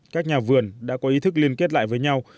các nhà vườn đã có ý thức liên kết lại với nhau